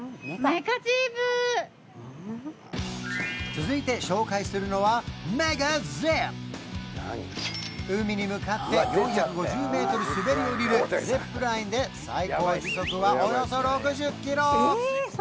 続いて紹介するのはメガジップ海に向かって４５０メートル滑り降りるジップラインで最高時速はおよそ６０キロ